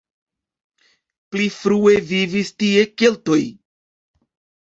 Pli frue vivis tie keltoj.